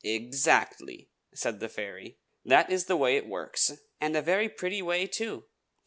"Exactly!" said the fairy. "That is the way it works, and a very pretty way, too.